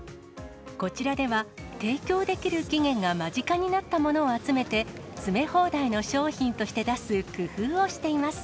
こちらでは、提供できる期限が間近になったものを集めて、詰め放題の商品として出す工夫をしています。